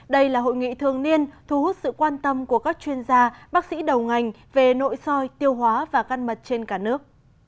đây là hội nghị thường niên thu hút sự quan tâm của các chuyên gia bác sĩ đầu ngành về nội soi tiêu hóa và găn mật trên cả nước